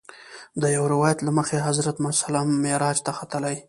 د یوه روایت له مخې حضرت محمد صلی الله علیه وسلم معراج ته ختلی.